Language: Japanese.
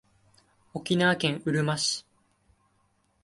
沖縄県うるま市